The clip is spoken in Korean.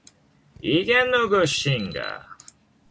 이게 누구신가?